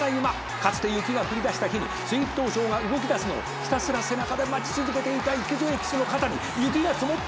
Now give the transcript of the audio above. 「かつて雪が降りだした日にスイープトウショウが動きだすのをひたすら背中で待ち続けていた池添騎手の肩に雪が積もったという」